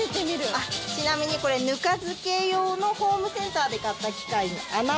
ちなみにこれぬか漬け用のホームセンターで買った機械に穴を開けて。